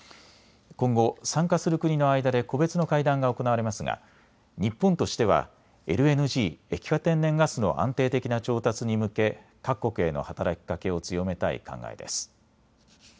今後、参加する国の間で個別の会談が行われますが日本としてはＬＮＧ・液化天然ガスの安定的な調達に向け各国への働きかけを強めたい考えです。